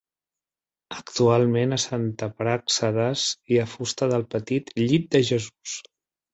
Actualment a Santa Pràxedes hi ha fusta del petit llit de Jesús.